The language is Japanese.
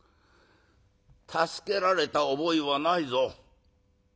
「助けられた覚えはないぞ。